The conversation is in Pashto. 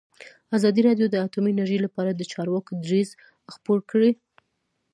ازادي راډیو د اټومي انرژي لپاره د چارواکو دریځ خپور کړی.